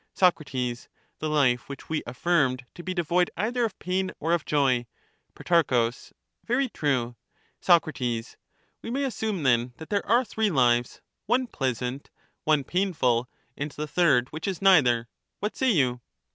Soc, The life which we aflSrmed to be devoid either of pain or of joy. Pro, Very true. Soc, We may assume then that there are three lives, ope pleasant, one painful, and the third which is neither ; what say you